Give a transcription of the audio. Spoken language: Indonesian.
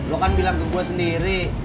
lu kan bilang ke gua sendiri